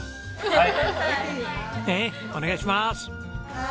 はい！